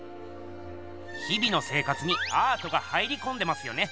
日々の生活にアートが入りこんでますよね。